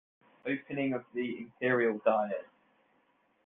Opening of the Imperial diet.